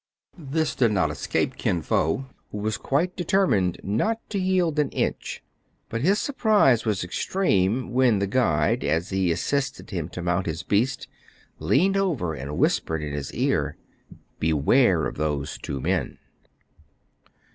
This did not escape Kin Fo, who was quite de termined not to yield an inch. But his surprise was extreme, when the guide, as he assisted him to mount his beast, leaned over, and whispered in his ear, —" Beware of those two men